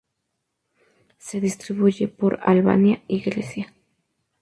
Se distribuye por Albania y Grecia.